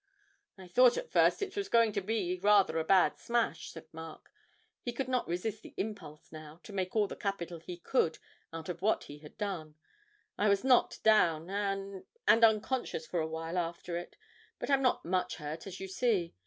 'I thought at first it was going to be rather a bad smash,' said Mark he could not resist the impulse now to make all the capital he could out of what he had done 'I was knocked down and and unconscious for a little while after it; but I'm not much hurt, as you see.